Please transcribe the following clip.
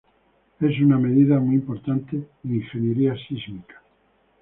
Es una medida muy importante en ingeniería sísmica.